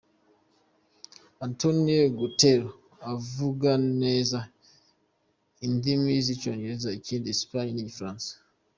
Antonio Guterres avuga neza indimi z’icongereza, iki espagnol n’igifaransa.